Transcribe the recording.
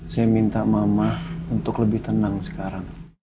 saya minta mama untuk lebih tenang sekarang